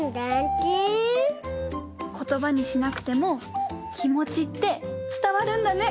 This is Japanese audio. ことばにしなくてもきもちってつたわるんだね！